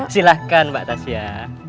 silahkan mbak tasya